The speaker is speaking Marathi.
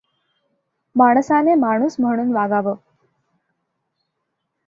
माणसाने माणूस म्हणून वागावं.